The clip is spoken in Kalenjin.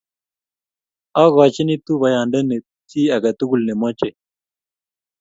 agochini tufayandeni chi age tugul ne mochei